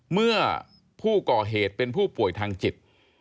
เมื่อผู้ก่อเหตุเป็นผู้ป่วยทางจิต